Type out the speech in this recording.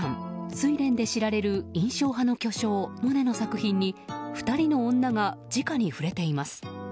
「睡蓮」で知られる印象派の巨匠モネの作品に２人の女が、じかに触れています。